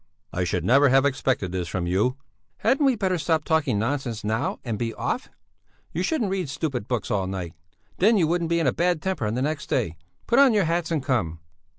"I should never have expected this from you!" "Hadn't we better stop talking nonsense now and be off? You shouldn't read stupid books all night; then you wouldn't be in a bad temper on the next day. Put on your hats and come."